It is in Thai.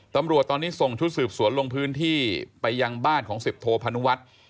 ตำรวจตอนนี้ส่งชุดสืบสวนลงพื้นที่ไปยังบ้านของสิบโทพนุวัฒน์